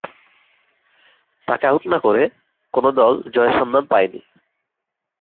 তাকে আউট না করে কোন দল জয়ের সন্ধান পায়নি।